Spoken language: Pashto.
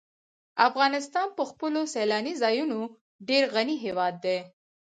افغانستان په خپلو سیلاني ځایونو ډېر غني هېواد دی.